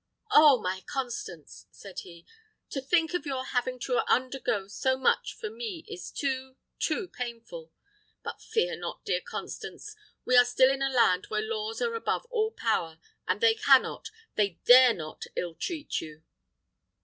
"Oh, my Constance!" said he, "to think of your having to undergo so much for me is too, too painful! But fear not, dear Constance; we are still in a land where laws are above all power, and they cannot, they dare not ill treat you!"